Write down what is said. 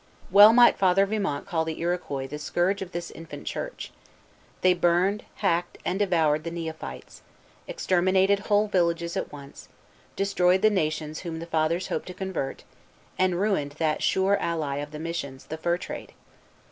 Well might Father Vimont call the Iroquois "the scourge of this infant church." They burned, hacked, and devoured the neophytes; exterminated whole villages at once; destroyed the nations whom the Fathers hoped to convert; and ruined that sure ally of the missions, the fur trade.